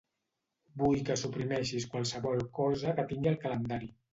Vull que suprimeixis qualsevol cosa que tingui al calendari.